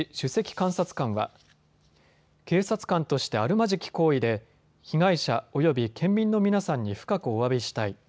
監察官は警察官としてあるまじき行為で被害者および県民の皆さんに深くおわびしたい。